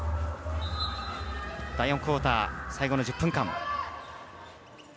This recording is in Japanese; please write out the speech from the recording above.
第４クオーター、最後の１０分間。